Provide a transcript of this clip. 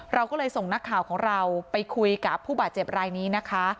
เราก็เลยส่งนักข่าวของเราไปคุยกับผู้บาดเจ็บรายนี้นะคะ